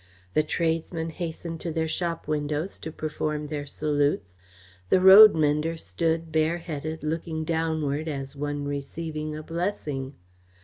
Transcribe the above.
The tradesmen hastened to their shop windows to perform their salutes, the roadmender stood, bare headed, looking downward as one receiving a blessing.